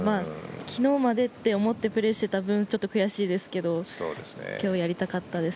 昨日までって思ってプレーしていた分ちょっと悔しいですけど今日やりたかったです。